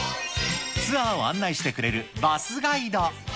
ツアーを案内してくれるバスガイド。